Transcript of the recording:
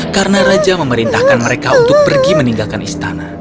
karena raja memerintahkan mereka untuk pergi meninggalkan istana